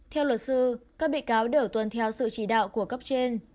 theo luật sư các bị cáo đều tuân theo sự chỉ đạo của cấp trên